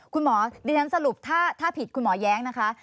คุณหมอดิฉันสรุปถ้าผิดคุณหมอแย้งนะคะ